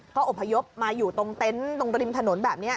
เขาอบพยพมาอยู่ตรงเต็นต์ตรงริมถนนแบบนี้